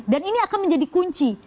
dan ini akan menjadi kunci